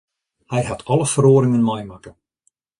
Hy hat alle feroaringen meimakke